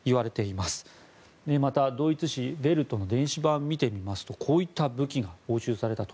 またドイツ紙ヴェルト電子版を見るとこういった武器が押収されたと。